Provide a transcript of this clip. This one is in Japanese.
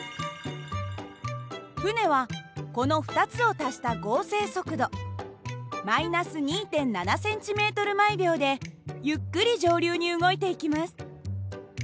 船はこの２つを足した合成速度−２．７ｃｍ／ｓでゆっくり上流に動いていきます。